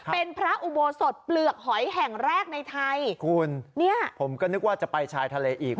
เป็นพระอุโบสถเปลือกหอยแห่งแรกในไทยคุณเนี่ยผมก็นึกว่าจะไปชายทะเลอีก